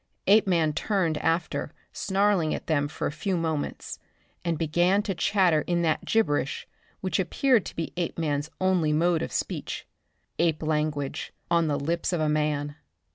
Apeman turned after snarling at them for a few moments, and began to chatter in that gibberish which appeared to be Apeman's only mode of speech ape language on the lips of a man!